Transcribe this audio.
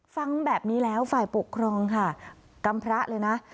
ฟังแบบนี้แล้วฝ่ายปกครองค่ะกำพระเลยนะ